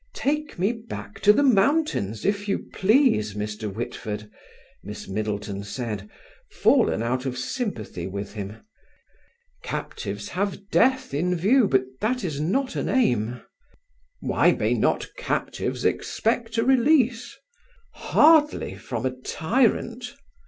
"Take me back to the mountains, if you please, Mr. Whitford," Miss Middleton said, fallen out of sympathy with him. "Captives have death in view, but that is not an aim." "Why may not captives expect a release?" "Hardly from a tyrant."